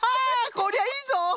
こりゃいいぞ！